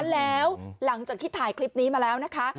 แล้วหลังจากที่ถ่ายคลิปนี้มาแล้วนะคะ